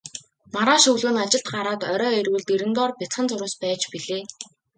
Маргааш өглөө нь ажилд гараад орой ирвэл дэрэн доор бяцхан зурвас байж билээ.